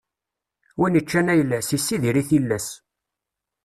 Win iččan ayla-s, issidir i tillas.